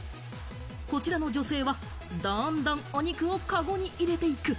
こちらの女性はどんどんお肉をカゴに入れていく。